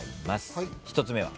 １つ目は？